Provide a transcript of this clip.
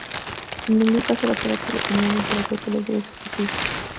En ningún caso la terapia y la opinión del terapeuta le deben sustituir.